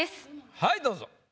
はいどうぞ。